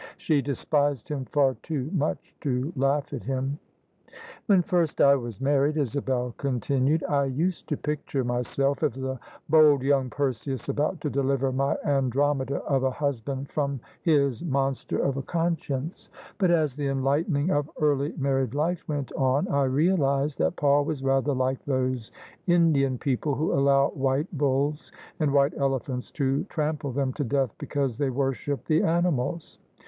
She despised him far too much to laugh at him. " When first I was married," Isabel continued, " I used to picture myself as a bold young Perseus about to deliver my Andromeda of a husband from his monster of a con science: but as the enlightening of early married life went on, I realised that Paul was rather like those Indian people who allow white bulls and white elephants to trample them to death because they worship the animals.